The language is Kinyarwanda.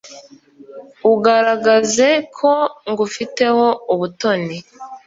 Ugaragaze ko ngufiteho ubutoni